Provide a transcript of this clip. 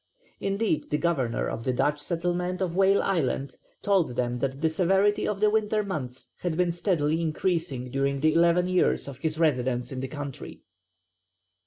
Indeed the governor of the Dutch settlement of Whale Island told them that the severity of the winter months had been steadily increasing during the eleven years of his residence in the country.